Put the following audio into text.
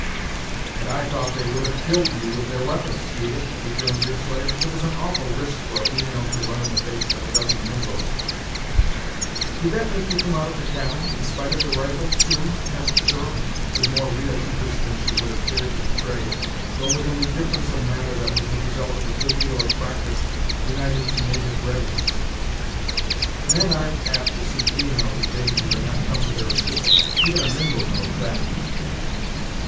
"And I thought they would have killed you with their we'pons, Judith," returned Deerslayer; "it was an awful risk for a female to run in the face of a dozen Mingos!" "Did that make you come out of the cabin, in spite of their rifles, too?" asked the girl, with more real interest than she would have cared to betray, though with an indifference of manner that was the result of a good deal of practice united to native readiness. "Men ar'n't apt to see females in danger, and not come to their assistance. Even a Mingo knows that."